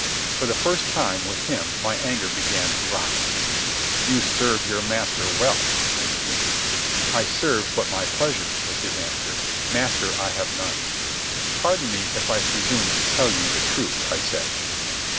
For the first time, with him, my anger began to rise. "You serve your master well," I sneered. "I serve but my pleasure," was his answer. "Master I have none." "Pardon me if I presume to tell you the truth," I said.